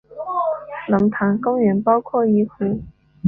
龙潭公园包括一湖。